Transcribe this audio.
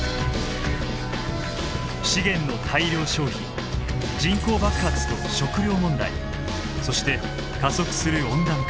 資源の大量消費人口爆発と食料問題そして加速する温暖化。